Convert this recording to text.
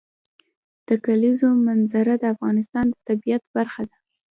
د کلیزو منظره د افغانستان د طبیعت برخه ده.